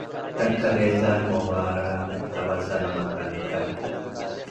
ተከሌዛን ወዋረ እት ከበሰ ለመከልከል